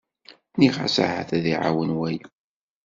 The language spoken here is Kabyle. Nniɣ-as ahat ad iɛawen waya.